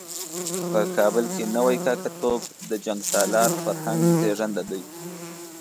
په کابل کې نوی کاکه توب د جنګ سالار فرهنګ زېږنده دی.